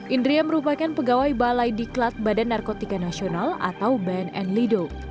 indria merupakan pegawai balai diklat badan narkotika nasional atau bnn lido